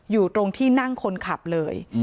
อยู่ตรงที่นั่งคนขับเลย